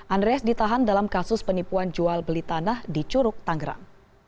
andreas ditahan dalam kasus penipuan jual beli tanah di curug tanggerang